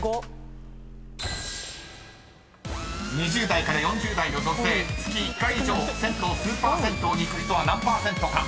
［２０代から４０代の女性月１回以上銭湯・スーパー銭湯に行く人は何％か。